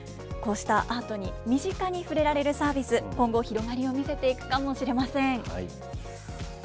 こうしたアートに身近に触れられるサービス、今後広がりを見せていくかもしれません。